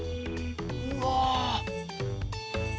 うわ！